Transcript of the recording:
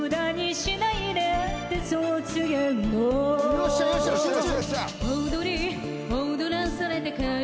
よっしゃよっしゃ集中！